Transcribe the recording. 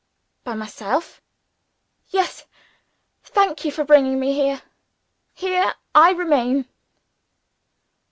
"By myself?" "Yes. Thank you for bringing me here here I remain."